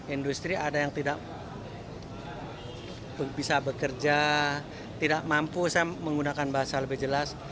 industri ada yang tidak bisa bekerja tidak mampu saya menggunakan bahasa lebih jelas